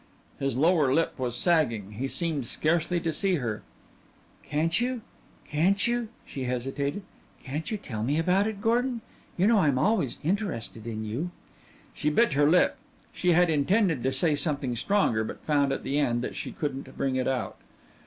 His lower lip was sagging. He seemed scarcely to see her. "Can't you can't you," she hesitated, "can't you tell me about it, Gordon? You know I'm always interested in you." She bit her lip she had intended to say something stronger, but found at the end that she couldn't bring it out.